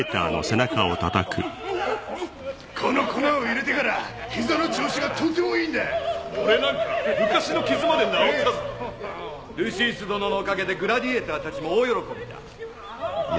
この粉を入れてから膝の調子がとてもいいんだ俺なんか昔の傷まで治ったぞルシウス殿のおかげでグラディエイターたちも大喜びだいや